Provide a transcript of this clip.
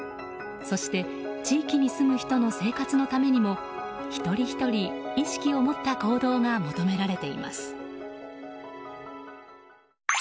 そして、地域に住む人の生活のためにも一人ひとり、意識を持った行動が求められています。